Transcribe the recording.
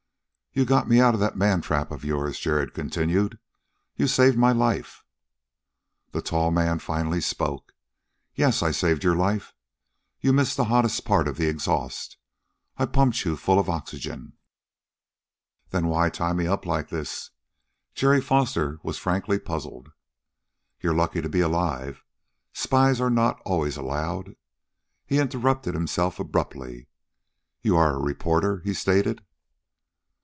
"You got me out of that man trap of yours," Jerry continued. "You saved my life." The tall man finally spoke. "Yes, I saved your life. You missed the hottest part of the exhaust. I pumped you full of oxygen." "Then why tie me up like this?" Jerry Foster was frankly puzzled. "You are lucky to be alive. Spies are not always allowed " He interrupted himself abruptly. "You are a reporter," he stated.